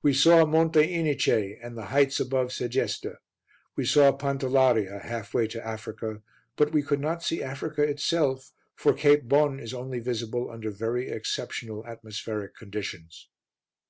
We saw Monte Inice and the heights above Segesta. We saw Pantellaria, halfway to Africa, but we could not see Africa itself for Cape Bon is only visible under very exceptional atmospheric conditions.